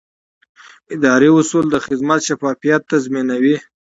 اداري اصول د خدمت شفافیت تضمینوي.